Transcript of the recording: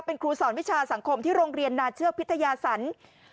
เป็นครูสอนวิชาสังคมที่โรงเรียนนาเชือกพิทยาศร